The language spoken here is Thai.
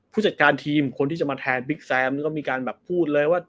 ผู้จัดการทีมคนที่จะมาแทนบิ๊กแซมนี่ก็มีการแบบพูดเลยว่า